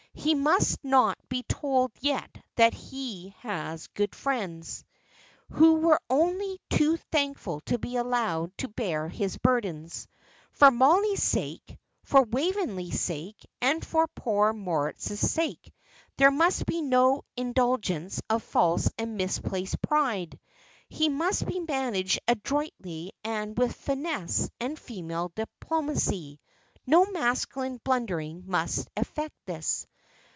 He must not be told yet that he had good friends, who were only too thankful to be allowed to bear his burdens. For Mollie's sake, for Waveney's sake, and for poor Moritz's sake, there must be no indulgence of false and misplaced pride. He must be managed adroitly and with finesse and female diplomacy no masculine blundering must effect this.